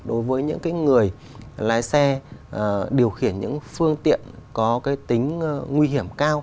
đối với những cái người lái xe điều khiển những phương tiện có cái tính nguy hiểm cao